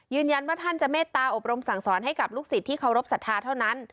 ท่านจะเมตตาอบรมสั่งสอนให้กับลูกศิษย์ที่เคารพสัทธาเท่านั้น